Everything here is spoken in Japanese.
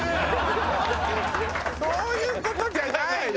そういう事じゃないの！